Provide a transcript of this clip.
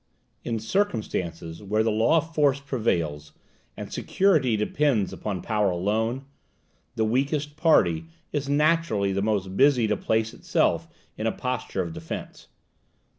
In circumstances where the law of force prevails, and security depends upon power alone, the weakest party is naturally the most busy to place itself in a posture of defence.